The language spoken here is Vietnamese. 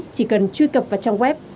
chỉ cần truy cập vào trang web